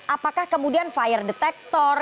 apakah kemudian fire detector